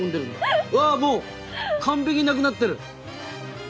わあもう完璧なくなってる！